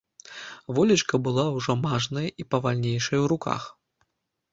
Волечка была ўжо мажная і павальнейшая ў рухах.